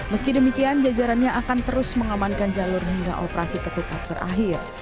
meski demikian jajarannya akan terus mengamankan jalur hingga operasi ketupat berakhir